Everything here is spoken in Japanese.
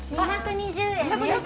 ２２０円！